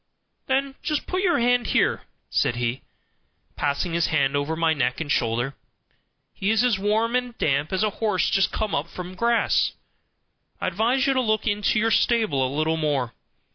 "Then just put your hand here," said he, passing his hand over my neck and shoulder; "he is as warm and damp as a horse just come up from grass. I advise you to look into your stable a little more.